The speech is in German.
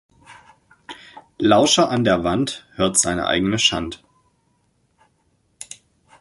Lauscher an der Wand hört seine eigene Schand.